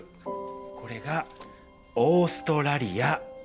これがオーストラリア。